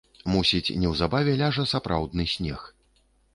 Мусіць, неўзабаве ляжа сапраўдны снег.